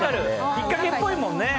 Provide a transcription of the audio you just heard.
引っかけっぽいもんね。